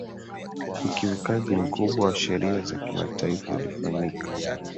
ukiukaji mkubwa wa sheria za kimataifa ulifanyika